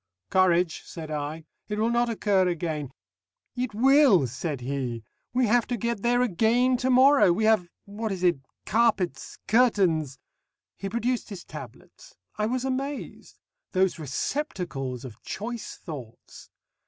"Courage," said I. "It will not occur again " "It will," said he. "We have to get there again tomorrow. We have what is it? carpets, curtains " He produced his tablets. I was amazed. Those receptacles of choice thoughts!